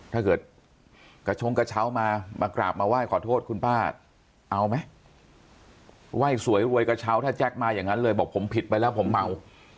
ถ้าเกิดกระชงกระเช้ามามากราบมาไหว้ขอโทษคุณป้าเอาไหมไหว้สวยรวยกระเช้าถ้าแจ๊คมาอย่างนั้นเลยบอกผมผิดไปแล้วผมเมา